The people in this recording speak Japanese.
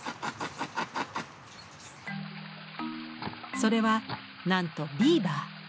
それはなんとビーバー。